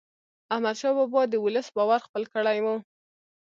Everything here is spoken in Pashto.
احمدشاه بابا د ولس باور خپل کړی و.